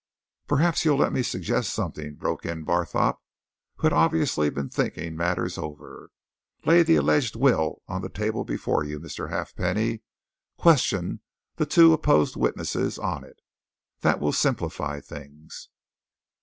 "Perhaps you'll let me suggest something," broke in Barthorpe, who had obviously been thinking matters over. "Lay the alleged will on the table before you, Mr. Halfpenny question the two opposed witnesses on it. That will simplify things."